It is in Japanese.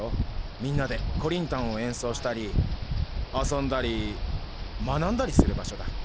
みんなでコリンタンをえんそうしたりあそんだり学んだりする場しょだ。